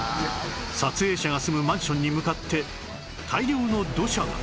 撮影者が住むマンションに向かって大量の土砂が